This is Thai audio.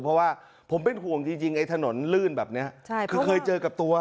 เพราะว่าผมเป็นห่วงจริงไอ้ถนนลื่นแบบนี้ใช่คือเคยเจอกับตัว